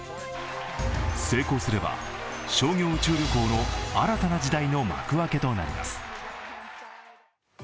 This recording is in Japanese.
成功すれば商業宇宙旅行の新たな時代の幕開けとなります。